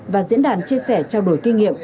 và diễn đàn chia sẻ trao đổi kinh nghiệm